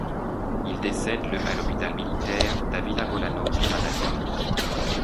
Il décède le à l'hôpital militaire Davila Bolanos de Managua.